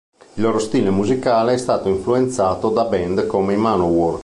Il loro stile musicale è stato influenzato da band come i Manowar.